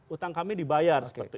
utang kami dibayar oke